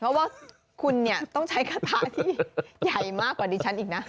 เพราะว่าคุณเนี่ยต้องใช้กระทะที่ใหญ่มากกว่าดิฉันอีกนะ